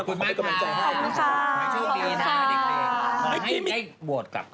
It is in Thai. ขอบคุณมากค่ะ